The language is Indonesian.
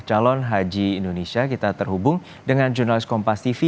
calon haji indonesia kita terhubung dengan jurnalis kompas tv